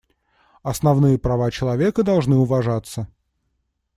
Основные права человека должны уважаться.